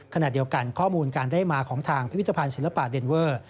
ขณะเดียวกันข้อมูลการได้มาของทางพิพิธภัณฑ์ศิลปะเดนเวอร์